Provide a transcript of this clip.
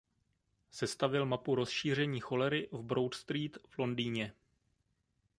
Sestavil mapu rozšíření cholery v Broad Street v Londýně.